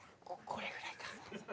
これぐらい。